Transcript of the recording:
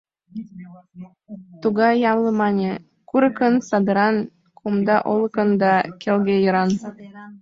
Тугай ямле, мане: курыкан, садеран, кумда олыкан да келге еран.